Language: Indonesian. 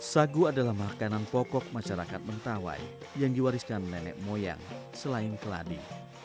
sagu adalah makanan pokok masyarakat mentawai yang diwariskan nenek moyang selain keladi